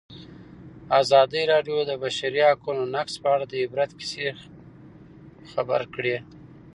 ازادي راډیو د د بشري حقونو نقض په اړه د عبرت کیسې خبر کړي.